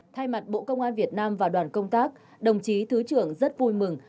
thay mặt bộ công an việt nam và đoàn công tác đồng chí thứ trưởng rất vui mừng